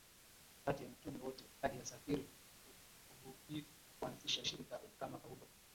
kati ya mitume wote aliyesafiri kuhubiri na kuanzisha shirika kama Paulo